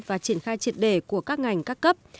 và triển khai triệt đề của các ngành các cấp